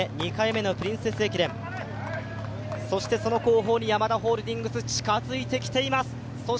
入社２年目、２回めのプリンセス駅伝そしてその後方にヤマダホールディングス近づいてきています。